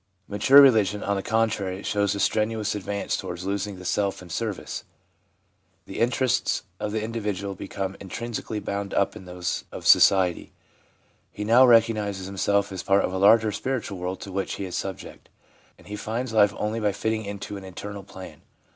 Mature religion, on the contrary, shows a strenuous advance towards losing the self in service. The interests of the individual become inextricably bound up in those of society ; he now recognises himself as part of a larger spiritual world to which he is subject ; and he finds life only by fitting into an eternal plan.